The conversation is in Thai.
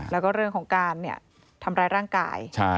แล้วก็เรื่องของการทำร้ายร่างกาย